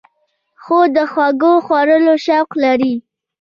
خور د خوږو خوړلو شوق لري.